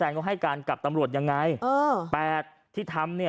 แซนก็ให้การกลับตำรวจยังไง